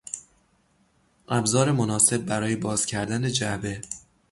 ابزار مناسب برای باز کردن جعبه